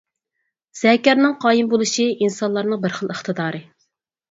زەكەرنىڭ قايىم بولۇشى ئىنسانلارنىڭ بىر خىل ئىقتىدارى.